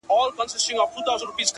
• له هوا به پر هوسۍ حمله کومه,